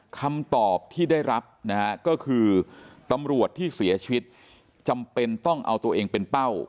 คำตอบที่ได้รับนะฮะก็คือตำรวจที่เสียชีวิตจำเป็นต้องเอาตัวเองเป็นเป้า